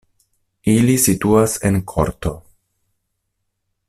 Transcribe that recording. Ili situas en korto.